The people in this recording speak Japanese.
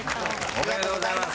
おめでとうございます。